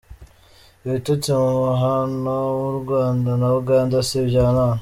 Ibitotsi mu mubano w’u Rwanda na Uganda si ibya none.